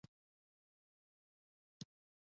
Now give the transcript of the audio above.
ځوانانو ته پکار ده چې، پوهه لوړه کړي.